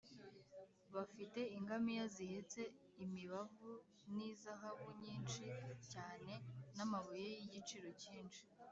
bafite ingamiya zihetse imibavu n’izahabu nyinshi cyane n’amabuye y’igiciro cyinshi